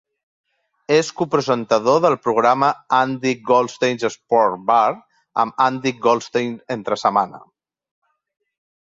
És copresentador del programa Andy Goldstein's Sports Bar amb Andy Goldstein entre setmana.